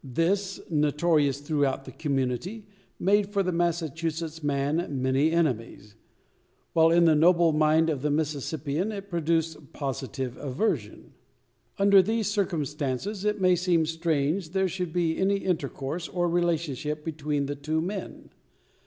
This, notorious throughout the community, made for the Massachusetts man many enemies; while in the noble mind of the Mississippian it produced positive aversion. Under these circumstances, it may seem strange there should be any intercourse, or relationship, between the two men.